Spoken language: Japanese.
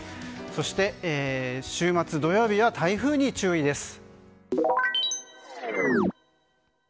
そして、週末土曜日は台風に注意です